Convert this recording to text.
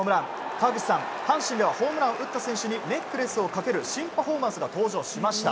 川口さん、阪神ではホームランを打った選手にネックレスをかける新パフォーマンスが登場しました。